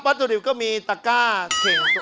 วัตถุดิบมีตะกร้าแข่ง